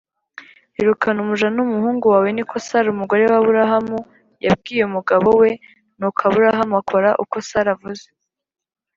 irukana umuja n umuhungu wawe niko sara umugore wa burahamu yabwiye umugabo we nuko aburahamu akora uko sara avuze.